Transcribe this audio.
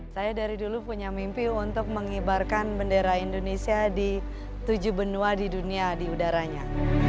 saya dari dulu punya mimpi untuk mengibarkan bendera indonesia di tujuh benua di dunia di udaranya